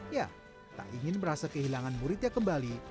ya tak ingin merasa kehilangan muridnya kembali